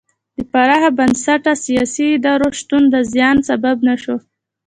د پراخ بنسټه سیاسي ادارو شتون د زیان سبب نه شو.